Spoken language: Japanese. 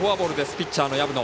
ピッチャーの薮野。